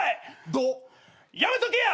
「怒」やめとけや！